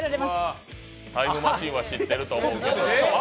タイムマシーンは知ってると思うんですけど。